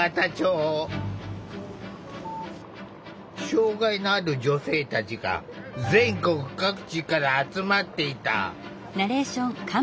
障害のある女性たちが全国各地から集まっていた。